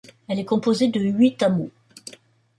Elle est composée de huit hameaux.